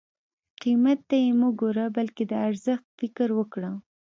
قیمت ته یې مه ګوره بلکې د ارزښت فکر وکړه.